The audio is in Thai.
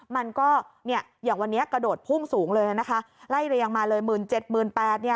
มันก็เนี่ยอย่างวันนี้กระโดดพุ่งสูงเลยนะคะไล่เรียงมาเลย๑๗๘๐๐เนี่ย